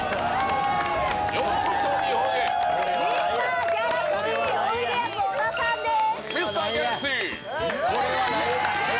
ミスター・ギャラクシーおいでやす小田さんです。